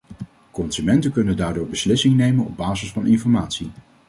Consumenten kunnen daardoor beslissingen nemen op basis van informatie.